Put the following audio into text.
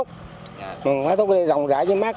phấn khởi chuyển sang nhà nước